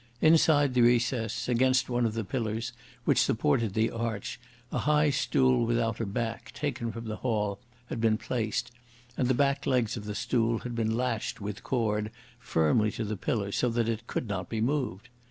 Inside the recess, against one of the pillars which supported the arch, a high stool without a back, taken from the hall, had been placed, and the back legs of the stool had been lashed with cord firmly to the pillar, so that it could not be moved.